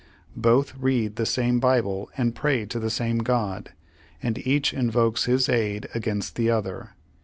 Both read the same Bible and pray to the same God, and each invokes His aid against the other.